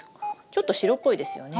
ちょっと白っぽいですよね。